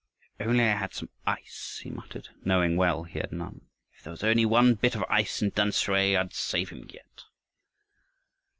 "If I only had some ice," he muttered, knowing well he had none. "If there was only one bit of ice in Tamsui, I'd save him yet."